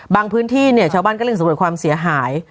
บางพื้นที่ชาวบ้านก็เริ่มสมบัติความเสียหาย